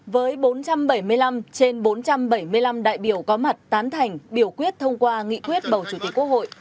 với bốn trăm bảy mươi năm trên bốn trăm bảy mươi năm đại biểu có mặt tán thành biểu quyết thông qua nghị quyết bầu chủ tịch quốc hội